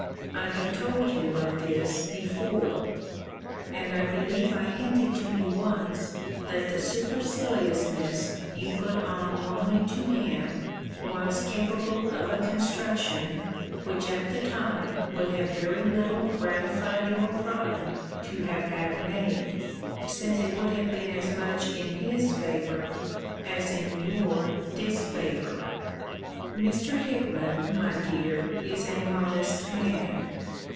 I have told you of this before: and I believe I hinted to you once, that the superciliousness you put on only to him, was capable of a construction, which at the time would have very little gratified your pride to have had made; since it would have been as much in his favour, as in your disfavour. Mr. Hickman, my dear, is a modest man.